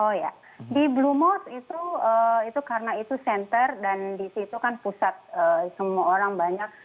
oh ya di blue mourt itu karena itu center dan di situ kan pusat semua orang banyak